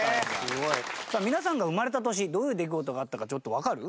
さあ皆さんが生まれた年どういう出来事があったかちょっとわかる？